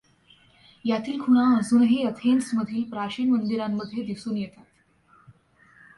यातील खुणा अजूनही अथेन्समधील प्राचीन मंदिरांमध्ये दिसून येतात.